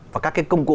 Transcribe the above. và các cái công cụ